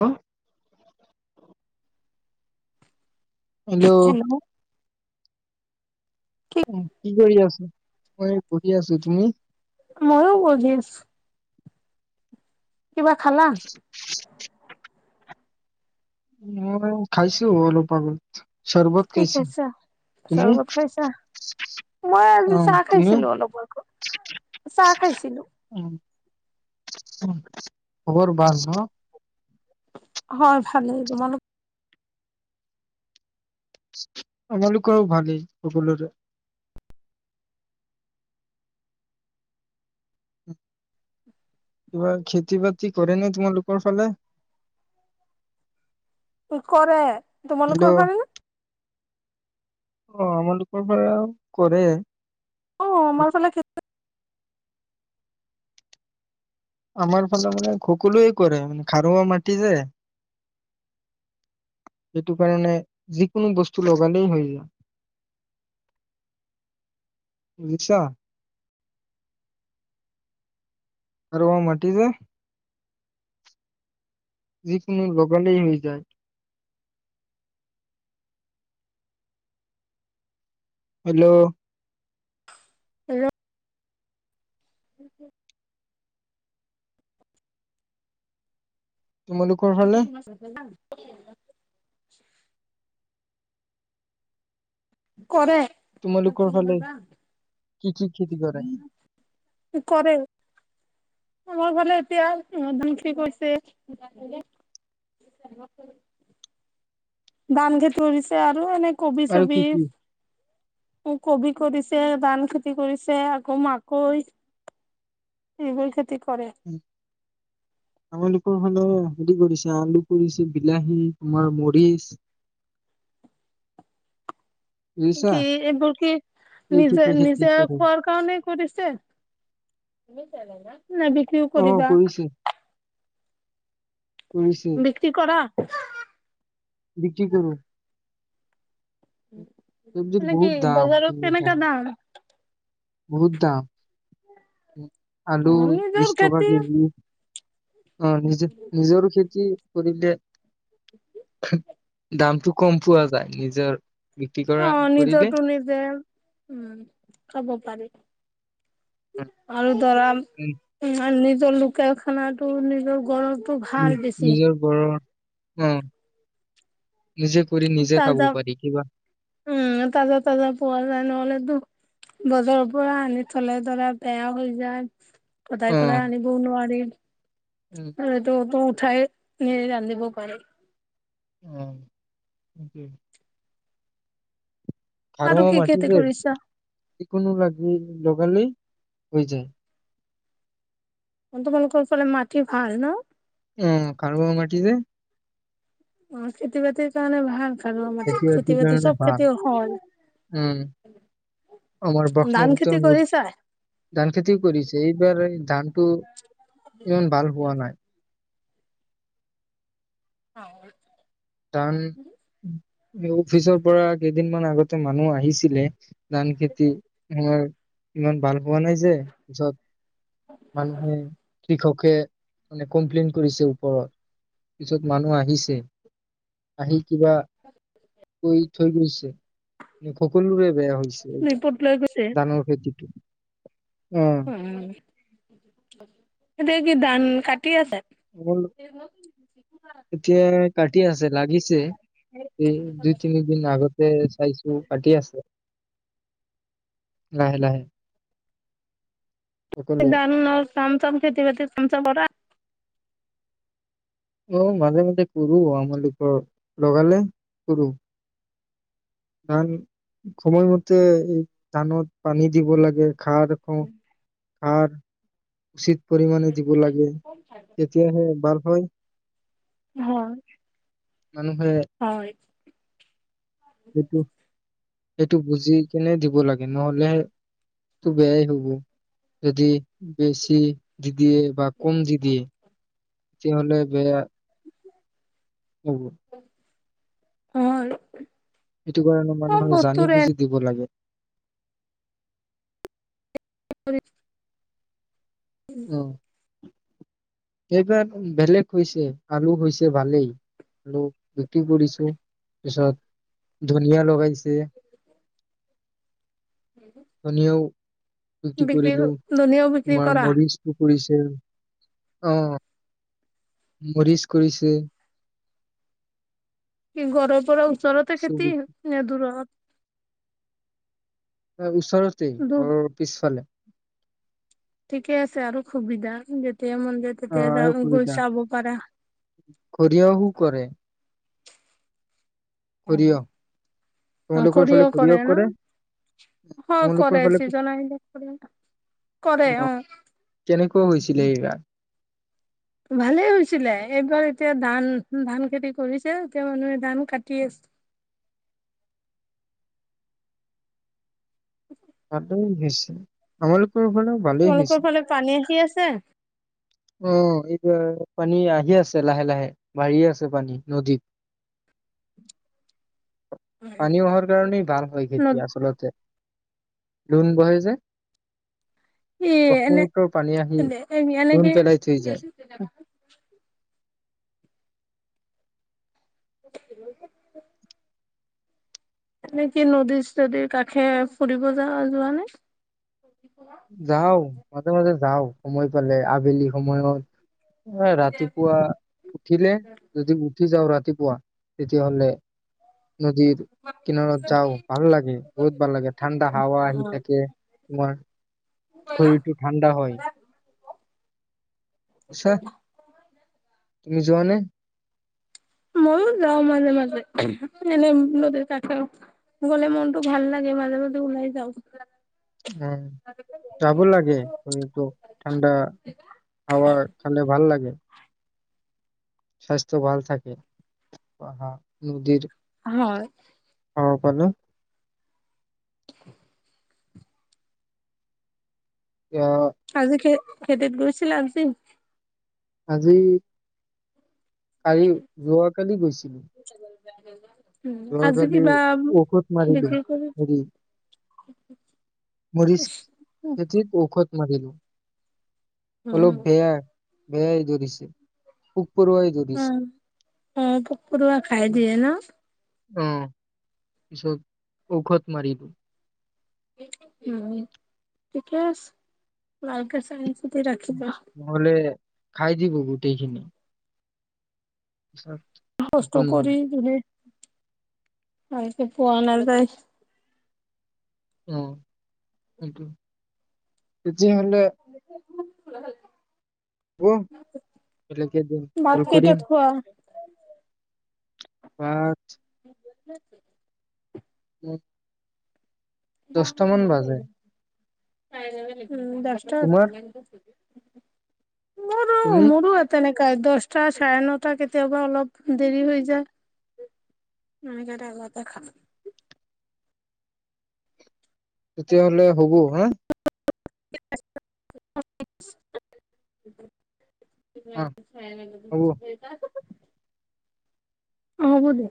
হা হেল হেল্ল' উ কি কৰি আছো মই পঢ়ি আছো তুমি ময়ো [unintelligible] কিবা খালা ম খাইছো অলপ আাগত কি খাইছা চৰবত খাইছা মই অ আজি চাহ তুমি? খাইছিলো অলপ আগত চাহ খাইছিলো উম, খবৰ বাজ হয় ভালেই, তোমালোক আমালোকৰো ভালেই, সকলৰে কিবা খেতি-বাতি কৰে নে, তোমালোকৰ ফালে? কৰে, হেল্ল' তোমালোকৰ ফালে অ', আমালোকৰ পৰাও কৰে। অ', আমাৰ ফালে [unintelligible] আমাৰ ফালে, মানে, সকলোৱে কৰে। খাৰুৱা মাটি যে, সেইটো কাৰণে যিকোনো বস্তু লগালেই হৈ যায়, বুজিছা। আৰু মাটি যে যিকোনো লগালেই হৈ যায়। হেল্ল'! হেল্ল' কি [unintelligible] তোমালোকৰ ফালে? আ [unintelligible] কৰে ত তোমালোকৰ চিনি ফালে বাৰবা [unintelligible] কি কি খেতি কৰে কৰে আমাৰ ফালে, এতিয়া, ধান খেতি কৰিছে [unintelligible] তৰিছে আৰু এনেকে আৰু কবি-চবি কি কি? কবি কৰিছে, ধান খেতি কৰিছে, আকৌ মাকৈ, এইবোৰ খেতি কৰে উ, আমালোকৰ মানে, হেৰি কৰিছে, আলু কৰিছে, বিলাহী, তোমাৰ মৰিচ বুজিছা কি, এইবোৰ কি, নিজে, এইকেইটা খেতি খেতি নিজে কৰে খোৱাৰ কাৰণে কৰিছে নাই, বিক্ৰীও অ কৰিবা কৰিছে কৰিছে বিক্ৰী কৰা [inaudible] বিক্ৰী কৰোঁ। চব্জিৰ মানে, কি, বহুত দাম কিনি বজাৰত খালে কেনেকুৱা দাম? বহুত দাম অ আলু নিজৰ বিশ টকা খেতি কেজি অ', নিজে নিজৰো খেতি কৰিদে উম দামটো কম পোৱা যায় নিজৰ বিক্ৰী অ কৰা কৰিলে নিজতো নিজে উম খাব পাৰি আৰু ধৰা ইমানদিন ত লোকেল খানাটো নিজৰ ঘৰত উম নিজৰ ঘৰৰ উম তাজা উম তাজা তাজা পোৱা যায় নহ'লে দুখ বজাৰৰ পৰা আনি থলে ধৰা বেয়া হৈ যায় অ সদায় সদায় আনিবও নোৱাৰি অ উম আৰুটো ত উঠাই নে ৰান্ধিব পাৰে অঅঅ আৰু খাৰা কি মাটি খেতি যে কৰিছা? যিকোনো লগালেই অই যে তোমালোকৰ ফালে মাটি ভাল ন? ওমম খাৰুৱা মাটি যে। অ খেতি বাতিৰ কাৰণে ভাল? খাৰুৱা মাটি খেতি বাতি কাৰণে চব ভাল খেতি হয়। উম আমাৰ ধান খেতি ব্ৰক্ষ্মপুত্ৰ কৰিছা? ধান খেতিও কৰিছে এইবাৰ ধানটো ইমান ভাল হোৱা নাই অ ধান অফিচৰ পৰা কেইদিনমান আগতে মানুহ আহিছিলে ধান খেতি আমাৰ ইমান ভাল হোৱা নাই যে যত মানুহে কি কব কে কমপ্লেইন কৰিছে ওপৰত পিছত মানুহ আহিছে আহি কিবা কৈ থৈ গৈছে ন সকলোৰে বেয়া হৈছে এই দুই পুত লৈ গৈছে। ধানৰ খেতিটো অ উম এতিয়া কি ধান কাটি আছে এতিয়া কাটি আছে লাগিছে এই দুই তিনিদিন আগতে চাইছো কাটি আছে লাহে লাহে সকলোৱে দানৰ কাম চাম খেতি বাতি চাম চ কৰা অ মাজে মাজে কৰো আমালপ লগালে কৰো ধান সময়মতে এই ধানত পানী দিব লাগে খা খো আৰু উচ পৰিমাণে দিব লাগে তেতিয়াহে ভাল হয় হ মানুহে সেইটো সেইটো বুজি কেনে দিব লাগে নহলেটো বেয়াই হব যদি বেছি দিয়ে বা কম দি দিয়ে তেতিয়া হলে বেয়া উ হয় সেইটো কাৰণে চব মানুহে জানি বস্তুৰে বুজি দিব লাগে [inaudible] অ এইবাৰ বেলেগ হৈছে আলু হৈছে ভালেই আলু বিক্ৰী কৰিছো তাৰ পিছত ধনিয়া লগাইছে ধনও ফৰ্তি বিক্ৰী কৰিলো ধনীয়াও বিক্ৰী তোমাৰ কৰা? মৰিচ পু আহ মৰিচ কৰিছে কি ঘৰ পৰা চৰতে খেতি চব- ন দুৰত অ ওচৰতেই দূৰ ম পিছফালে ঠিকে আছে আৰু সুবিধা তিয়া মন্দে অ' তেতিয়া আৰু য গৈ সুবিধা চাব পাৰা সৰিয়হো কৰে সৰিয়হ তোমালোকৰ খৰিও ফালে সৰিয়হ কৰে ন তোমালোকৰ কৰে ফালে চিজিল কৰে কৰে অ কেনেকুৱা হৈছিলে এইবাৰ ভালেই হৈছিলে এইবাৰ এতিয়া ধান ধান খেতি কৰিছে এতিয়া মানুহে ধান কাটি আছে সট গেছ আাৰ তোমলোকৰ ফালে পানী আহি আছে [inaudible] অ এইতি পানী আহি আছে লাহে লাহে বাঢ়িয়ে আছে পানী নদীত পানী অহাৰ কাৰণেই ভাল হয় নদ খেতি আচলতে লোন বহে যে এ এনে ব্ৰহ্মপুত্ৰৰ পানী আহি এ এনেক লোন পেলাই থৈ যায়। ই এনে কি নদীৰ নদীৰ কাষে ফুৰিব যা যোৱা নে যওঁ মাজে মাজে যাওঁ সময় পালে আবেলি সময়ত ৰাতিপুৱা উঠিলে যদি উঠি যাওঁ ৰাতিপ কোৱা তেতিয়াহ'লে নদীৰ কিনাৰত যাওঁ ভাল লাগে বহুত ভাল লাগে ঠাণ্ডা হাৱা আহি থাকে তোমাৰ শৰীৰটো ঠাণ্ডা হয় উ পিছে তুমি যোৱাানে ময়ও যাওঁ মাজে মাজে এনে নদীৰ কাষেও গলে মনতটো ভাল লাগে মাজে মাজে ওলাই যাওঁ উ যাব লাগে কিন্তু ঠাণ্ডা হাৱা খালে ভাল লাগে স্বাস্থ্য ভাল থাকো নদীৰ হয় অ কলো কু আহ আজিকে খেতিত গৈছিলা আজিন আজি কালি যোৱাকালি গৈছিলোঁ এ ৰহ কাল ঔখত মাৰ দওঁ বিক্ৰী কৰি ম মৰি খতি ঔখত মাৰিলো অলপ পৰুৱা বেয়া বেয়াই দৰিছে পু অ অ পোক পৰুৱা খাই দিয়ে ন। অ পিছত ঔষধ মাৰি উ ঠিকে আছে [unintelligible] নহলে খাই দিব গোটেইখিনি। পিছত একো কষ্ট নহব কৰি ভালকে পোৱা নাযায় অ সেইটো যে হ'লে হব [inaudible] দি ভাত কল কেইটাত কৰিম খোৱা [unintelligible] [inaudible] উম দহটামান বাজে [unintelligible] উম দষ্ট তোমাৰ মোৰোঁ তুমি মোৰোঁ অ তেনেকে কাই দশটা চাৰে নটা কেতিয়াবা অলপ দেৰি হৈ যায় এনে আগতে খাম তেতিয়াহলে হ'ব‌ হা [unintelligible] অ হ'ব। [unintelligible] হ'ব দে